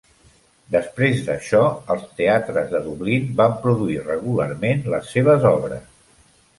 Després d'això, els teatres de Dublín van produir regularment les seves obres.